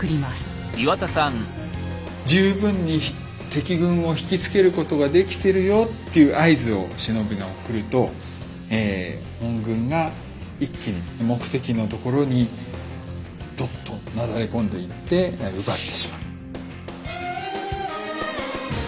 十分に敵軍を引き付けることができてるよっていう合図を忍びが送ると本軍が一気に目的のところにどっとなだれ込んでいって奪ってしまう。